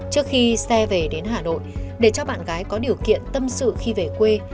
trước khi xe về đến hà nội để cho bạn gái có điều kiện tâm sự khi về quê